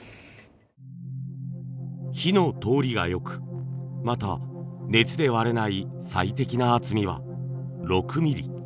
火の通りが良くまた熱で割れない最適な厚みは６ｍｍ。